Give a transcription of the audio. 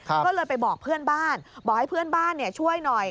ก็เลยไปบอกเพื่อนบ้านบอกให้เพื่อนบ้านช่วยหน่อย